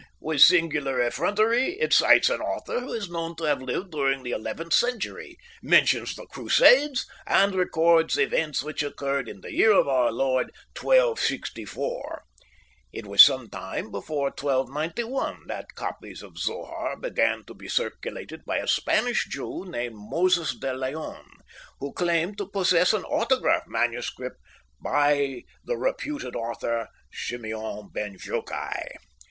With singular effrontery, it cites an author who is known to have lived during the eleventh century, mentions the Crusades, and records events which occurred in the year of Our Lord 1264. It was some time before 1291 that copies of Zohar began to be circulated by a Spanish Jew named Moses de Leon, who claimed to possess an autograph manuscript by the reputed author Schimeon ben Jochai.